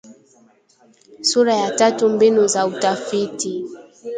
Sura ya tatu mbinu za utafiti